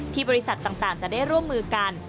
บริษัทต่างจะได้ร่วมมือกัน